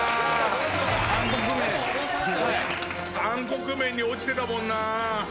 暗黒面に落ちてたもんな。